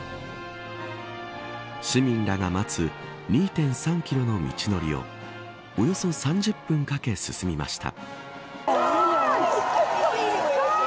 市民らが待つ２．３キロの道のりをおよそ３０分かけ進みました。